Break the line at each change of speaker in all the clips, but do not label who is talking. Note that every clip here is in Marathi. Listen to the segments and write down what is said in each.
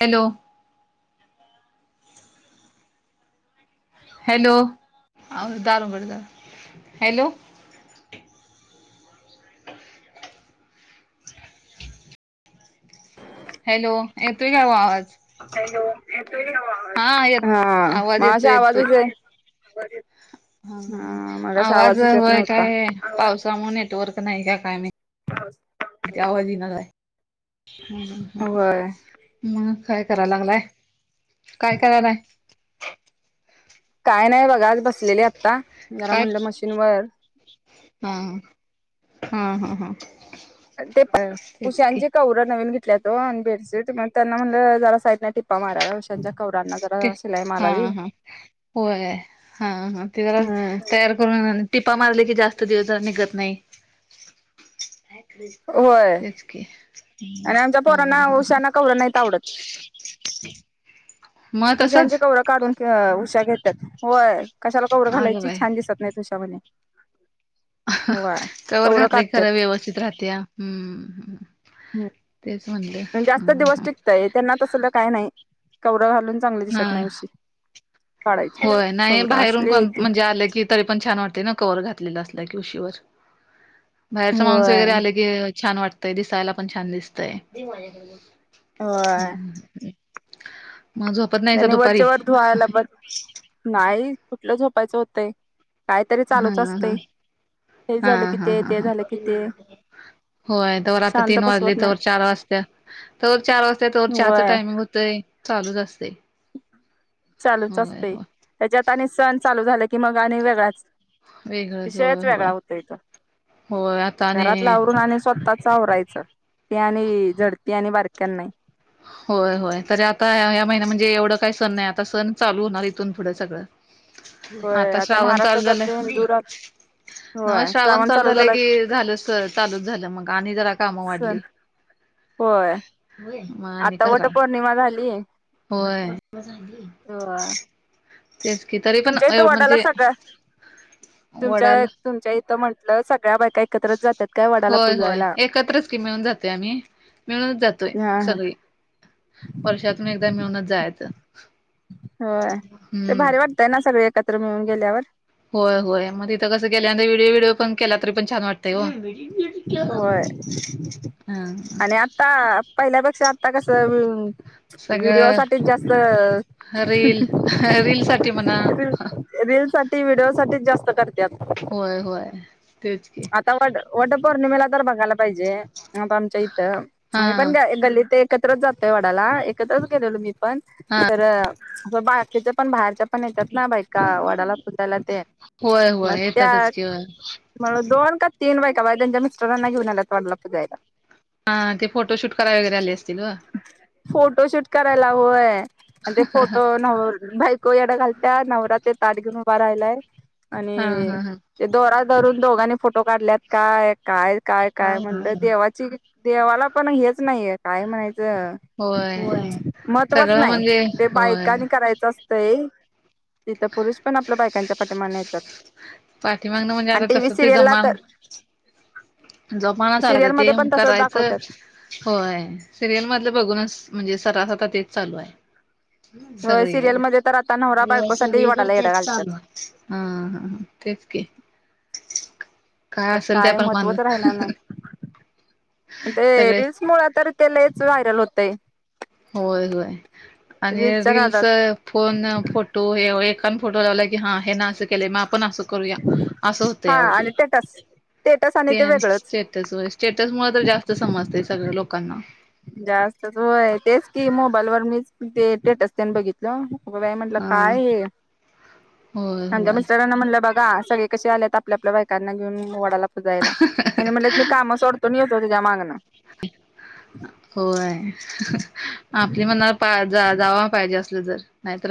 हॅलो,. हॅलो दार उघड हॅलो. [inaudible] हॅलो येतोय का आवाज
हॅलो येतोय का
हा येत आवाज येतोय येतो.
जय [unintelligible]
हा ह ह आवाज होय काय. पावसामुळे नेटवर्क नाही का काय माहिती आवाजीन आहे. ह
होय
मग काय कराय लागलाय. काय करणार आहे.
काय नाही बघा. आज बसलेली आत्ता जरा
काय
म्हणलं मशीनवर
हा हा, हा हा हा.
ते पण,
तेच की
उषांची कवरा नवीन घेतल्यात वं अन बेडशीट. मग त्यांना म्हणलं जरा साईडने टिपा मारा, उशांच्या कवरांना
ते
जरा शिलाई
हा
मारावी
हा होय, हा हा, ते जरा
हम्म
तयार टिपा मारले की जास्त दिवस निघत नाही.
होय
तेच की, हा हा हा हा.
तेव्हढंच.
मग तसच
उशांचे कवरं काढून त्या उशा घेतात. होय! कशाला कवरं
अगं
घालायची.
बाई
छान दिसत नाहीत उशा वरनं.
कवर घातलंय खरं व्यवस्थित राहतिया. हूं. तेच म्हणलं,
हम्म जास्त
हं
दिवस
हं.
टिकतय त्यांना तसलं काय नाही, कवरं घालून चांगली
हा,
दिसत नाही उशी काढायची
होय नाही
कवर
बाहेरून
असली आहे
कोण,
ती
म्हणजे आलं की तरी पण छान वाटतंय ना कवर घातलेलं असल्या की उशीवर. बाहेरचा माणूस वगैरे
होय
आले की छान वाटतंय, दिसायला पण छान दिसतंय.
होय
मग झोपत नाही का
त्यानी वरच्या
दुपारी?
वर धुवायला बघ नाही, कुठलं झोपायचं होतंय, काहीतरी
हा
चालूच
हा
असतंय. हे
हा
झालं कि
हा
ते,
हा
ते
हा
झालं कि ते.
होय, तवर आता
शांत
तीन वाजले
बसवत
तवर
नाही
चार वाजत्या, तवर चार वाजता तवर चहाचं
वय
टायमिंग हो ते चालूच असतंय.
चालूच
होय
असतंय.
होय
त्याच्यात आणि सण चालू झाला की मग आणि वेगळाच
वेगळंच होय
विषयच वेगळा
होय
होतो इथं.
होय आता
घरातलं
आणि
आवरून आणि स्वतःचं आवरायचं. ते आणि जड, ते आणि बारक्यांना नाय.
होय होय, तरी आता ह्या महिन्या म्हणजे एवढं काही सण नाही. आता सण चालू होणार इथून पुढं सगळं.
होय
आता श्रावण चालू
महाराष्ट्राचा
झालंय.
बेंदूर
न मग श्रावण चालू झालं की झालं, चालूच झालं मग आणि जरा कामं
सण
वाढली.
होय,
मग आणि
आता
करा
वट पौर्णिमा झाली.
होय
हो...
तेच की, तरी पण अं म्हणजे
सगळ्या तुमच्या
वडाला
तुमच्या इथं म्हटलं, सगळ्या बायका एकत्रच जातात काय वडाला
होय होय
पुजायला.
एकत्रच की मिळून जातात ते आम्ही, मिळूनच जातोय
हा हा
सगळी. वर्षातून एकदा मिळूनच जायाचं.
व्हय, ते भारी वाटतंय ना, सगळे एकत्र मिळून गेल्यावर?
होय होय, मग तिथं कसं गेल्यावर व्हडिओ कॉल केला तरी पण छान वाटतं. ते वो, केला
होय
व्हय, हं.
ता आता पहिल्यापेक्षा आता कसं ऊं व्हिडिओ
सगळं
साठीच जास्त
रील रील साठी म्हणा
रील साठी, व्हिडिओ साठीच जास्त करत्यात.
होय, होय! तेच की
आता वट, वट पौर्णिमेला तर बघायला पाहिजे आता आमच्या इथं,
हा
मी पण ग गल्लीत एकत्रच जातोय वडाला, एकत्रच गेलेलो मी पण,
हा
तर बारक्याच्या पण बाहेरच्या पण येतात ना बायका वडाला पुजयला ते.
होय
मग
होय
त्या
येतातच की होय
म दोन का तीन बायका बाय यांच्या मिस्टरांना घेऊन आल्या होत्या वडाला पूजायला.
हा, ते फोटोशूट करायला वगैरे आले असतील वं.
फोटोशूट करायला होय आणि ते फोटो न भाई येढं घालत्यात, नवरा ते ताट घेऊन उभा राहिलाय
हा
आणि
हा हा
ते दोरा धरून दोघांनी फोटो काढल्यात काय, काय काय काय म्हणलं देवाची देवाला पण हेच नाहीये, काय म्हणायचं
होय
महत्त्वच
सगळं
नाही
म्हणजे
ते
होय
बायकनी करायचं तिथं पुरुष पण आपल्या बायकांच्या पाठीमाने येतात
पाठीमागणं म्हणजे
आणि
आता
टी व्ही
तसं ते
सिरियलला
जमाल
तर
जोमाणा चालायता ते
सिरियलमध्ये पण तसंच
करायचं
दाखवतात
होय सिरियल मधले बघूनच म्हणजे सराासता तेच चालू आहे
होय सिरियलमध्ये तर आता नवरा
सगळीकडे
बायकोसाठी
सगळीकड
वडाला येडं
तेच
घालतात
चालू हा हा ह तेच की काय
तर
असेल ते आपण माण
महत्त्वच राहणार नाही ते रीलल्स मुळ तर त्यालाच व्हायरल होतय
होय होय आणि
रील्सच्या
रीलीलस
नादात
फोन फोटो हे एका फोटो लावला की हा हे ना असं केले मग आपण अस करूया असं होतं
हा
यावी
आणि टेटस टेटस आणि
ते
वेगळंच
त्यास स्टेटस मु तर जास्त समजत सगळं लोकांना
जास्तचय तेच कि मोबाईल वर मी तेटच त्यांनी बघितलं बाई म्हंटलं
अ
काय हे
होय
म्हज्या
होय
मिस्टरांना म्हटलं बघा सगळे क आल्यात आपल्या आपल्या बायकांना घेऊन वडाला पुजायला आणि म्हण मी काम सोडतून येतो त्याच्या मागन
अ होय आपल्या मनाला पा जा जावा पाहिजे असलं जर आयत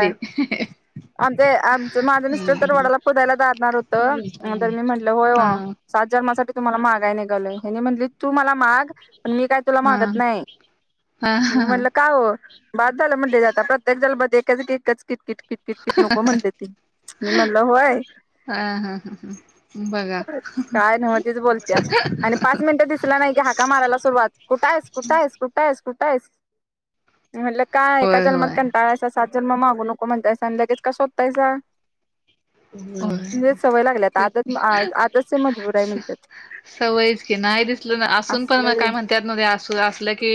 ते
आम ते आमचं माझं मिस्टर तर वडाला फोदायला जााारणार होत तरर मी म्हटलं होय
हा
सात जन्मासाठीठी तुम्हाला मागाय निघालय हेनी म्हटली तू मला माग पण मी काय तुला
हा
मागत नाही
हा
मी म्हणलं
हा
का हो बाद झाला म्हटलं जाता प्रत्येक झालं बकाचकाच किट किट कित कितकी नको म्हणते ती मी म्हणलं होय
हा हा ह ह बघा
काय नव्ह तेच बोलत्यात आणि पाच मिनिटं दिसला नाही की हाका माराला सुरुवात कुठं आहेस कुठं आहेस कुठे आहेस कुठं आहेस
[inaudible]
म्हटलं काय एका
होय
जनमात
होय
काण टाळायचा सात जन्म मागू नको म्हणतायचा आणि लगेच का शोधतायचा
ह
म्हणजे सवय लागल्या आदत आदतचे मजबूर आहे म्हणज
सवयच की नाही दिसल ना असून पण म काय
असलं
म्हण त्या अस अस की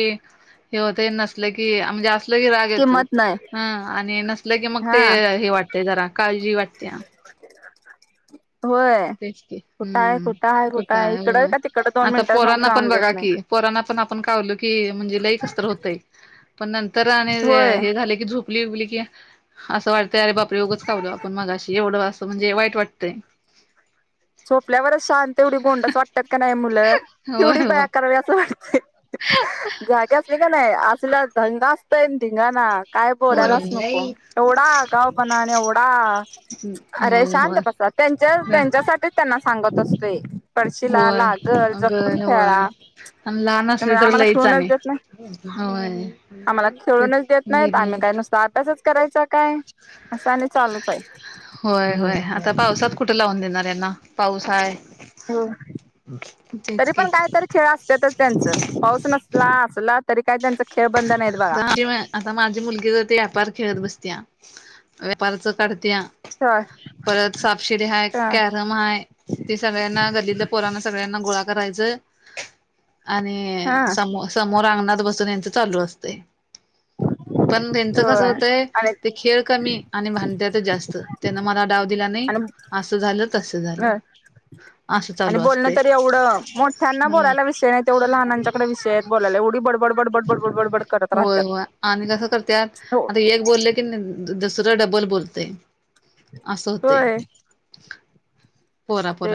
हे होत नस की म्हणजे नलं की राग येतोय
किंमत नाही
ह आणि नसलं की मग
हा
ते हे वाटतय जरा काळजी वाटते
[inaudible] होय
तेच की
कुठं आहे
हम्म
कुठं आहे कुठं आहे इकडं
होय
का तिकडं दोन मिनिटं मग जाऊन देत नाही
पोरना पण आपण कालो की म्हणजे लई कसत होतय पण नंतर आणि
होय
हे झाले की झू आपुलीली की असं वाटतंय अरे बापर एोगंच खवल आपण मग अशी एवढं असं म्हणजे वाईट वाटतंय
झोपल्यावरच शांत तेवढी गोंडस वाटतात का नाही मुलं
होय
केवढी बाया
होय
करावी असं वाटते जाग्या अस अस का नाही नाही अस ढंगा असत ए ढिंगा ना काय बोलायलाच नको
होय
एवढा गाव पणा आणि एवढा अरे
होय
शांतपस
होय
त्यांच्या त्यांच्यासाठीच त्यांना सांगत असतेो
होय अगर होय आणि लहान असले
त्यामुळे
तर
आम्हाला
लईच
खेळूनच
आणि
देत नाही
होय तेच घर नाहीत
त तासच करायचा काय असं आणि चालूच आहे
होय होय आता पावसात कुठे लावून देणार यांना पाऊस आहे
हो तरी पण काय तरी खेळ असतातच त्यांच पाऊस नसला असला तरी काय त्यांच खेळ बंद नाहीत बघा
द ज म आता माझी मुलगी ज ते व्यापार खेळत बसत्या व्यापारच काढत्या
होय
परत सापशिर हा
ह
क मय ते सगळ्यांना गल्लीतल्या पोरांना सगळ्यांना गोळा करायचं आणि
हा
समो समोर अंगणात बसून यांच चालू असते पण त्यांचं कसं
होय
होतंय
आणि
ते खेळ कमी आणि भांडत्या तर जास्त त्यान मला डाव दिला नाही असं झालं तसं झालं
ह
असं
आणि
चालू
बोलणं
असतंय
तरी एवढं मोठ्यांना बोलायला विषय नाही तेवढ्या लहनांच्याकडे विषय बलाय उडीडबडबड बडबड बडबड करत
होय
राहतात
होय आणि कस करत
हो
आता एक बोललं की दसरा डबल बोलते असं होत
होय ते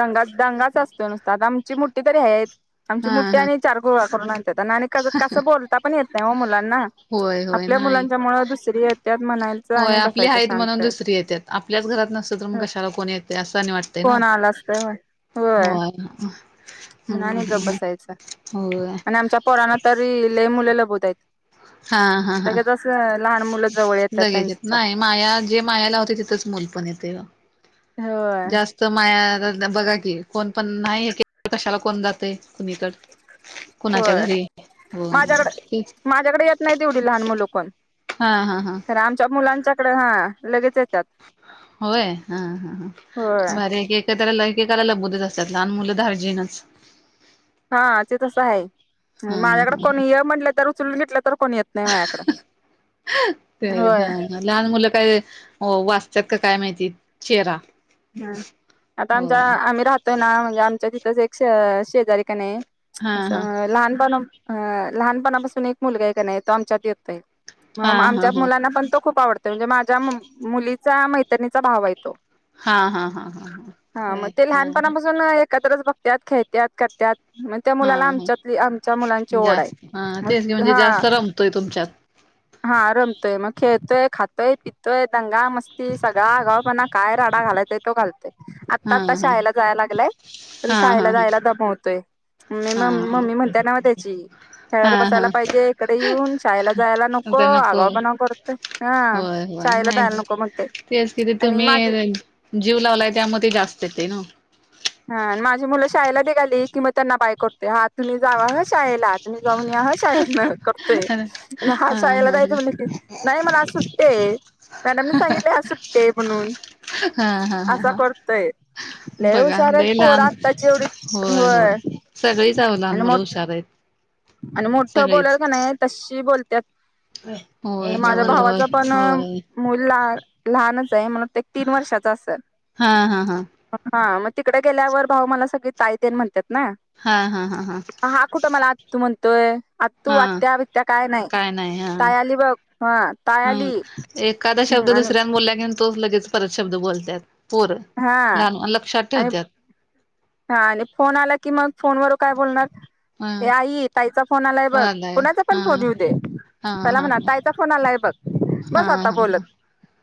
दंगा दंगाच असतो नुसत आ आमची मुठठठी तरी आहेत आमची
हा
मुठठी
हा
आणि चार गोळा करून आणतेात आणि कस बोलता पण येत नाही म मुलांना
होय होय
आपल्या
नाही
मुलांच्या मुळं दुसरी यत्यात म्हणायचं
होय
आणि
आपली
बसायचं
आहेत
शांत
म्हणून
आहे
दुसरी येत्यात आपल्याच घरात नसत तर मग कशाला कोणी येते असं वाटतं ना
फोन आला असत होय होय
हो
म्हणून आणि गप
हम्
बसायचं
हो
आणि आमच्या पोराना तरी लले मुले लबोत आहेतघ
हा हा हा
सग जस लहान मुलं जवळ येतात
लगेच येत
त्यांचा
नाही माया जे मायाला होते तिथच मुल पण येते
होय
जास्त तर माया बघा की कोण पण नाही कशाला कोण जातय कुणीकड कणाच्या
होय
घरी
माझ्याकडे माझ्याकडे येत नाही तेवढी लहान मुलं कोण
हा हा हा
कारण आमच्या मुलांचा त हा लगेच आहे त्यात
होय हा हा बारी एक त्याला लैखिकाला लबतच असतात लहान मुललं दारजीनच
हा ते तसं आहे
हा
माझ्याकडे
ह
कोणी ये म्हटलं तर उचलून घेतलं तर कोणी येत नाही माझ्याकडं
ते
होय
जा लहान मुलं काय वाचतात का काय माहिती चेहरा
ह आता
हो
आमच्या आम्ही राहतोय ना म्हणजे आमच्या तिथंच एके शेजारी का नाही आहे
हा हा
असं लहानपणां लहानपणापासून एक मुलगा आहे का नाही तो आमच्यात येतोय
हा
म
हा हा
आमच्या
हा
मुलांना पण तो खूप आवडतो म्हणजे माझ्या मुलीचा मैत्रिणीचा भाव येतो
हा हा हा
हा मग ते लहानपणापासून एकत्रच बघतात खेळतात करतात मग त्या
हा
मुलाला
हा
आमच्यातली आमच्या मुलांची ओढ आहे म हा
हो तुमच्या
हा रमतोय मग खेळतोय खातोय पितोय दंगा मस्ती सगळा आगाव पणा काय राडा घालायत घालतय आता
हा
आता
हा
शाळेला जायला लागलाय तर
हा हा
शाळेला
ह
जायला दमवतोय मी
हा
म मम्मी म्हणताय ना म त्याची खेळात
हा हा
बसायला पाहिजे इकडे येऊन शाळेला जायला नको नको आगा पणा करत ह
होय होय
शायला
नाही
द्यायला नको मग ते
तेच किती
आणि
तुम्ही
माझी
जीव लावलाय त्यामध्ये ते जास्त येत ना
हा माझी मुलं शाळेला निघाली की मग त्यांना बाय करतेय हा तुम्ही जावा ह शाळेला तु जाऊन निय शद
हा हा
हा यला जायेत म्हले की नाही मला सुट्टते मॅडमने सांगितले हा सुट्टते म्हणून
हा हा
असा
हा
करतय
बघा ल लहान होय होय सगळीचव लहान
आणि
मुलं
मो
हुशार [inaudible]
आणि मोठं बोलर
सगळीच
का नाही तशी बोलत
होय
तर माझ्या
होय होय
भावाचा पण
होय
मुल लहानच आहे म्हणून ते तीन वर्षाच असेल
हा हा हा
हा मग तिकडे गेल्यावर भाऊ मला सगळी ताई देन म्हणतात ना
हा हा हा
हा कुठं मला तू म्हणतोय आ तू
हा
आत्या बित्या काय नाही तय आली बघ हा ताय
हम
आली
एखादा शब्द
हम्म आणि
दुसऱ्या बोलला की तो लगेच परत शब्द बोलतात
हा आणि हा आणि फोन आला की मग फोनवर काय
ह
बोलणार आई ताचा फोन आलाय बघ
कोणालाय
कोुणाचा
हा
पण फोन येऊ दे
हा हा
पला
हा
म्हणा तायचा फोन आलाय बघ
हा
बस आता बोलत
हा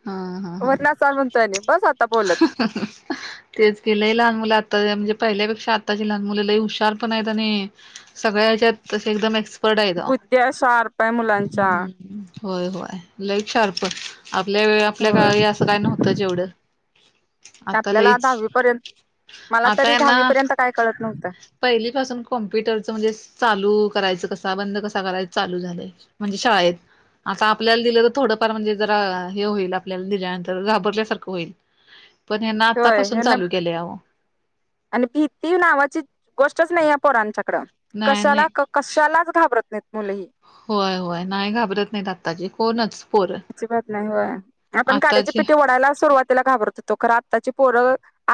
हा हा
वरनाल म्हणतोय बस आता बोलत
ह तेच केलंय लहान मुलं आता म्हणजे पहिल्यापेक्षा आत्ताची लहान मुलीला हुशार पण आहेत आणि सगळ्या हच्यात त एकदम एक्सपर्ट आहे
बुद्ध्या शार्प आहे मुलांच्या
होय होय लईक शार्प आपल्या वे आपल्या का
होय
असं काय नव्हतं जेवढं आता
आपल्याला
लईच
दहावी पर्यंत मला तरी दहावी पर्यंत काय कळत नव्हतं
पहिलीपासून कॉम्प्युटरचं म्हणजे चालू करायचं कसा बंद कसा करायचं चालू झालंय म्हणजे शाळेत आता आपल्याला दिलं थोडंफार म्हणजे जरा हे होईल, आपल्याला दिल्यानंतर घाबरल्यासारखं होईल. पण हे ना
होय
आतापासून
यांना
चालू केलेय आओ.
आणि भीती नावाची, गोष्टच नाही या पोरांच्याकडं,
नाही नाही
कशाला कशालाच घाबरत नाहीत मुलं, ही.
होय होय, नाही घाबरत नाही, अत्ताची कोणच पोर.
आपण काड्याची पिठीओढायला सुरवात ला घाबरत होतो, आताची पोर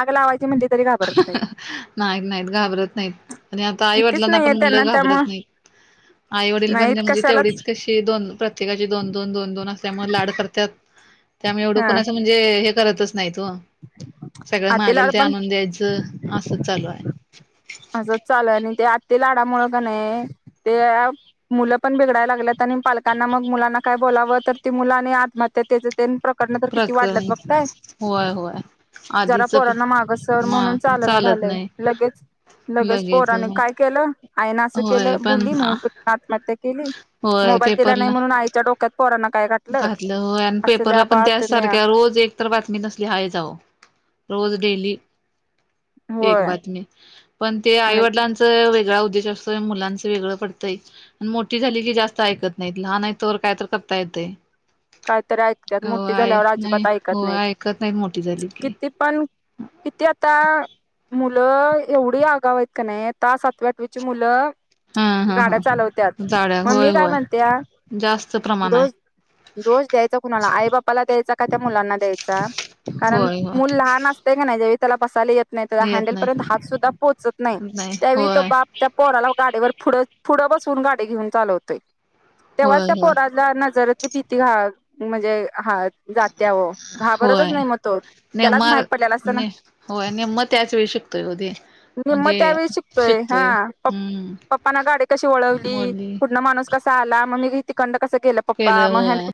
आग लावायची म्हणजे
नाहीत नाहीत घाबरत नाहीत. आणि आता
भीतीच
आईवडिलांना पण
नाहीये त्यांना
मुलं
त्यामुळं
घाबरत नाहीत, आई वडील बनं
नाहीत
म्हणजे
कशालाच
तेवढीच कशी प्रत्येका दोन दोन दोन दोन असमुळ लाड करतात त्या म एवढ
हा
कोना म्हणजे हे करतच नाहीत हो, सगळं
आती लाड
मागाला ते
पण
आणून द्यायचं, असं चालूये.
असंच चालूये, आणि ते आती लाडामुळे का नाही, ते मुलं पण बिगायला लागल्यात, आणि पालकांना मग मुलांना काय बोलावं, तर ती मुलं आणि आत्महत्या त्या तेन प्रकरण तर किती वाढल्यात
प्रकरण
बघताय.
होय होय
जरा
आधीच
पोरांना मागसर
म
म्हणून चालना
चालत
झालंय,
नाही
लगेच लगेच पोराने काय केलं, आईन असं
होय
केलं
पण
बोली म्हणून आत्महत्या केली.
होय
मोबाईल दिला नाही
पेपरला
म्हणून, आई डोक्यात पोरना काय घा
घातलं हो आणि पेपरला पण त्या सारख्या रोज एकतर बातमी नसली हाय जाव, रोज डेली. एक
होय
बातमी, पण ते
आणि
आईवडलांच वेगळा उद्देश असतोय, मुलांचं वेगळं पडतंय. आणि मोठी झाली की जास्त ऐकत नाही, लहान आहेत तोवर काय तर करता येतय.
कायतरी ऐकतात, मोठे
होय
झाल्यावर
नाही
अजिबात ऐकत
होय
नाहीत.
ऐकत नाहीत मोठी झाली की
किती पण किती आता मुलं एवढी आगाव आहेत का नाही, आता सातवी् आठवीची मुलं
हा हा
गाड्या
हा
चालवत्यात,
जाड्या
म
होय
मी काय
होय
म्हणते
जास्त प्रमाण
दो
आहे
दोष द्यायचा कुणाला आई बापाला द्यायचा का? त्या मुलांना द्यायचा? कारण
होय
मुूल
होय
लहान अस ते का नाही जा वेळी त्याला बसाले नाही, त्या
येत
हँडल पर्यंत
नाही
हाक सुद्धा पोहोचत नाही, त्यावेळी तो बाप त्या पोराला गाडीवर पुढच पुढं बसवून गाडी घेऊन चालवतोय, तेव्हाच
होय
त्या
होय
पोराला नजर पिती घा म्हणजे हा जात्या व घाबरतच नाही मग तो. त्यालाच
नेमम
माहित पडलेला असतं ना
होय नेम्म त्याच वेळी शिकतोय ओझे.
निेम्मत त्यावेळी शिकतोय, हा प
हम्म
पप्पना गाडी कशी वळवली
मुली
पुनण माणूस कसा आला, म मी तीकंड कसं केलं.
केलं होय.